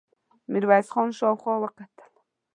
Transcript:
ميرويس خان شاوخوا وکتل.